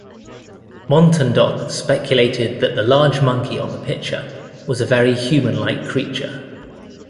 Montandon speculated that the large monkey on the picture was a very human-like creature.